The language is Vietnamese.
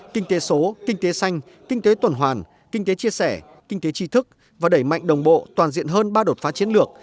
kinh tế số kinh tế xanh kinh tế tuần hoàn kinh tế chia sẻ kinh tế tri thức và đẩy mạnh đồng bộ toàn diện hơn ba đột phá chiến lược